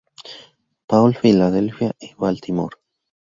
Paul, Philadelphia y Baltimore.